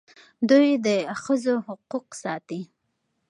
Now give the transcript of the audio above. دوی د ښځو حقوق ساتي.